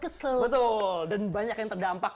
betul dan banyak yang terdampak